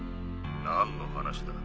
何の話だ？